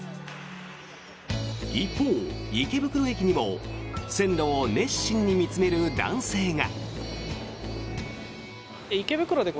一方、池袋駅にも線路を熱心に見つめる男性が。